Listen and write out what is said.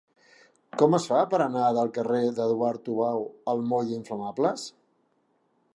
Com es fa per anar del carrer d'Eduard Tubau al moll d'Inflamables?